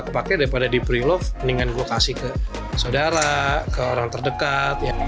kepake daripada di prelove mendingan gue kasih ke saudara ke orang terdekat